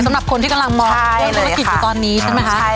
สำหรับคนที่กำลังมอบธุรกิจอยู่ตอนนี้ใช่ไหมคะค่ะใช่เลย